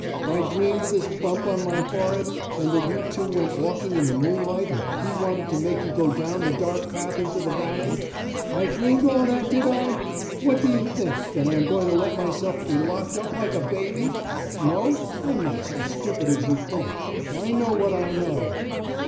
I dreamed this bump on my forehead, and that you two went walking in the moonlight and he wanted to make you go down the dark path into the valley? I dreamed all that, did I? What do you think, that I am going to let myself be locked up like a baby? No, I am not so stupid as you think. I know what I know."